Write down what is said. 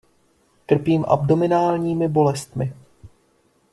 Trpím abdominálními bolestmi.